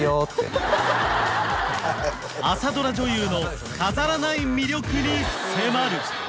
朝ドラ女優の飾らない魅力に迫る！